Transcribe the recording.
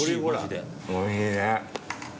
おいしいね。